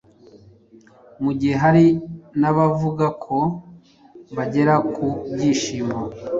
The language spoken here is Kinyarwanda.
mu gihe hari n’abavuga ko bagera ku byishimo